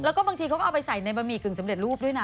แล้วก็บางทีเขาก็เอาไปใส่ในบะหมี่กึ่งสำเร็จรูปด้วยนะ